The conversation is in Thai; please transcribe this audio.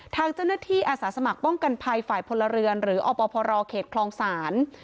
ทางเจ้าหน้าที่อาสาสมัครป้องกันภัยฝ่ายพลเรือนหรืออพรเขตคลองศาล